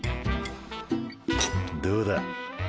どうだ？